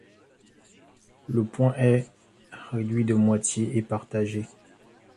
Le point est réduit de moitié et partagé.